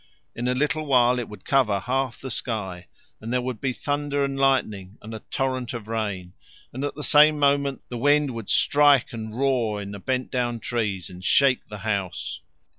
In a little while it would cover half the sky, and there would be thunder and lightning and a torrent of rain, and at the same moment the wind would strike and roar in the bent down trees and shake the house.